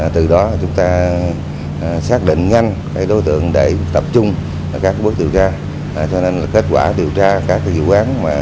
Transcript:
từ đó chúng ta xác định nhanh đối tượng để tập trung các bước điều tra cho nên là kết quả điều tra các dự án